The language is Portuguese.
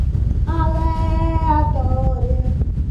aleatória